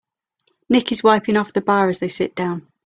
Nick is wiping off the bar as they sit down.